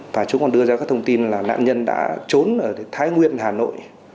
và chúng còn đưa ra các thông tin là nạn nhân đã trốn ở thái nguyên hà nội